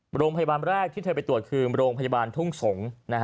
โรงพยาบาลแรกที่เธอไปตรวจคือโรงพยาบาลทุ่งสงศ์